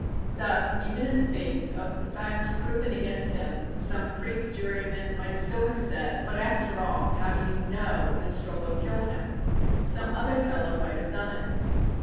Thus, even in the face of the facts proven against him, some "freak" juryman might still have said, "But, after all, how do you know that Strollo killed him? Some other fellow might have done it."